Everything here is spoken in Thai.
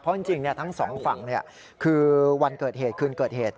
เพราะจริงทั้งสองฝั่งคือวันเกิดเหตุคืนเกิดเหตุ